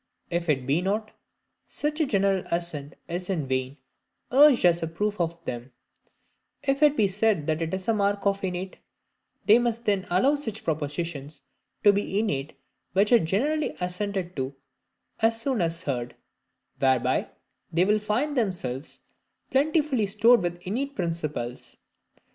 If it be not, such a general assent is in vain urged as a proof of them: if it be said that it is a mark of innate, they must then allow all such propositions to be innate which are generally assented to as soon as heard, whereby they will find themselves plentifully stored with innate principles.